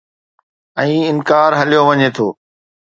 ۽ انڪار هليو وڃي ٿو